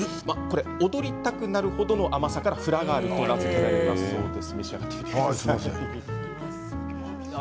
踊りたくなる程の甘さからフラガールと名付けられたそうです。